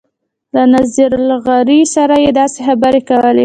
له نذیر لغاري سره یې داسې خبرې کولې.